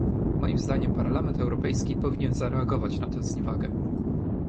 Moim zdaniem Parlament Europejski powinien zareagować na tę zniewagę